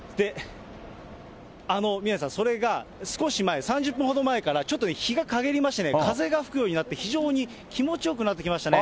宮根さん、それが少し前、３０分ほど前からちょっとね、日が陰りましてね、風が吹くようになって、非常に気持ちよくなってきましたね。